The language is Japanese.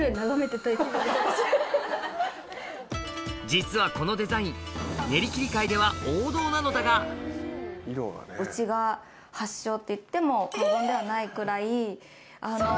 実はこのデザイン練り切り界では王道なのだがっていっても過言ではないくらい。